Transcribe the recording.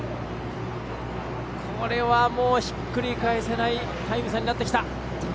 これは、もうひっくり返せないタイム差になってきた。